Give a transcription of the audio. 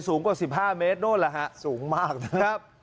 สูงกว่า๑๕เมตรโน้นแหละฮะสูงมากนะครับ